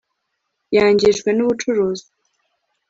yangijwe nubucuruzi